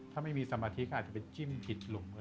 ถ้าไม่มีสรรภาธิคอาจจะไปจิ้มผิดหลงก็ได้